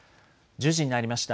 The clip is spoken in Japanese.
１０時になりました。